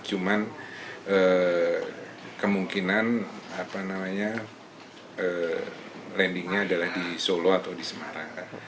cuman kemungkinan landingnya adalah di solo atau di semarang